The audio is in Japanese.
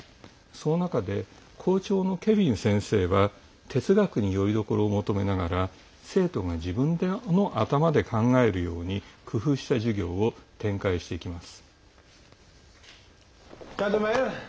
その中で校長のケヴィン先生は哲学に、よりどころを求めながら生徒が自分の頭で考えるように工夫した授業を展開していきます。